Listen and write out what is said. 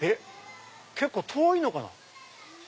結構遠いのかな？